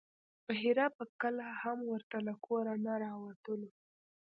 بحیرا به کله هم ورته له کوره نه راوتلو.